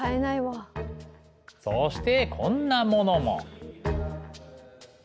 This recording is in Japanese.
そしてこんなものも。